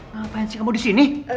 ngapain sih kamu disini